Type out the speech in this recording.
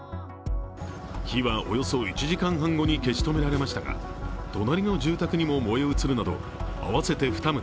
火は、およそ１時間半後に消し止められましたが、隣の住宅にも燃え移るなど、合わせて２棟